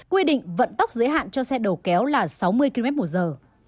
quy định vận tốc giới hạn cho xe đầu kéo là sáu mươi km một giờ